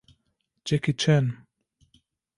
Jackie Chan